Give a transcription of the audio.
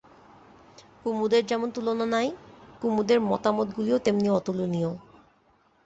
কুমুদের যেমন তুলনা নাই, কুমুদের মতামতগুলিও তেমনি অতুলনীয়।